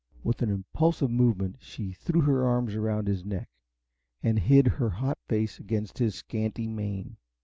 With an impulsive movement, she threw her arms around his neck, and hid her hot face against his scanty mane.